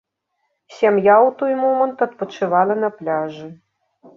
Сям'я ў той момант адпачывала на пляжы.